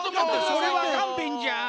それはかんべんじゃ。